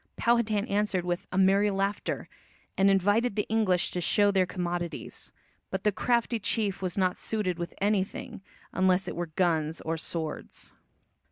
Powhatan answered with "a merry laughter," and invited the English to show their commodities. But the crafty chief was not suited with anything, unless it were guns or swords.